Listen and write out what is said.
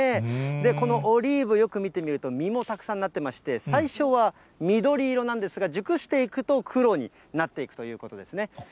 このオリーブ、よく見てみると、実もたくさんなってまして、最初は緑色なんですが、熟していくと黒になっていくということですね。